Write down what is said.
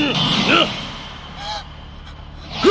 aku akan mencari